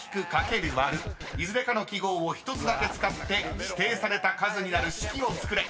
いずれかの記号を１つだけ使って指定された数になる式を作れ］